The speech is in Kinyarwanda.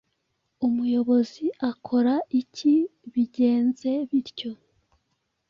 umuyobozi akora iki bigenze bityo